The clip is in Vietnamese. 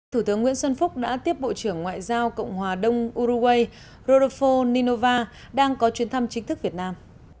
thủ tướng nguyễn xuân phúc đã tiếp bộ trưởng ngoại giao cộng hòa đông urugue ropho ninova đang có chuyến thăm chính thức việt nam